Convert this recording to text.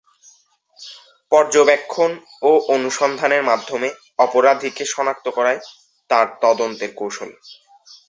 পর্যবেক্ষণ ও অনুসন্ধানের মাধ্যমে অপরাধীকে শনাক্ত করাই তার তদন্তের কৌশল।